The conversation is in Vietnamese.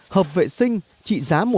hợp vệ sinh trị giá một trăm linh triệu